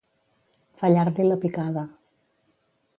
Fallar-li la picada.